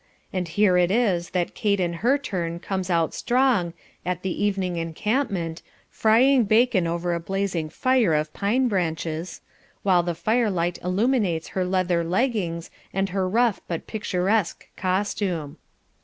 And here it is that Kate in her turn comes out strong, at the evening encampment, frying bacon over a blazing fire of pine branches, while the firelight illuminates her leather leggings and her rough but picturesque costume.